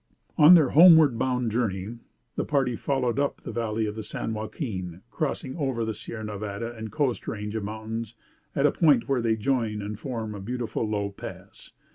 On their homeward bound journey, the party followed up the valley of the San Joaquin crossing over the Sierra Nevada and coast range of mountains at a point where they join and form a beautiful low pass.